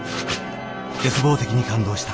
絶望的に感動した。